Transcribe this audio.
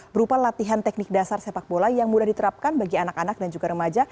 berupa latihan teknik dasar sepak bola yang mudah diterapkan bagi anak anak dan juga remaja